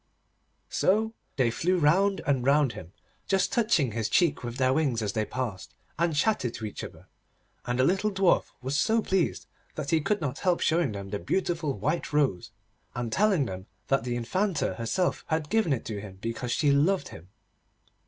So they flew round and round him, just touching his cheek with their wings as they passed, and chattered to each other, and the little Dwarf was so pleased that he could not help showing them the beautiful white rose, and telling them that the Infanta herself had given it to him because she loved him.